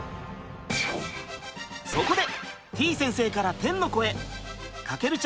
そこで！